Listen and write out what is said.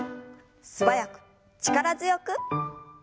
素早く力強く。